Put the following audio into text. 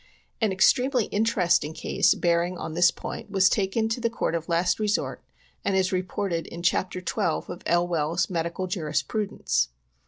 An extremely interesting case bearing on this point was taken to the court of last resort and is reported in chapter 12 of Elwell's Medical Jurisprudence.